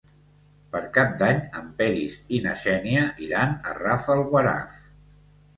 Per Cap d'Any en Peris i na Xènia iran a Rafelguaraf.